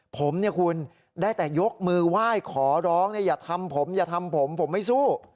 ผมเนี่ยคุณได้แต่ยกมือไหว้ขอร้องอย่าทำผมอย่าทำผมผมไม่สู้